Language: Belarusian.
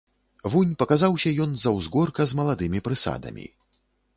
Вунь паказаўся ён з-за ўзгорка з маладымі прысадамі.